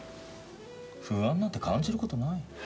不安なんて感じることないよ。